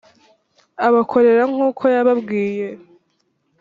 abakorera nk uko yababwiye